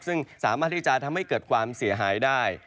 ซึ่งสามารถที่จะทำให้เกิดความเสียหายได้